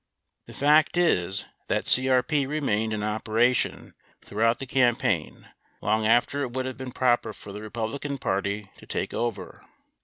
The fact is that CRP remained in operation throughout the cam paign, long after it would have been proper for the Republican Party to take over.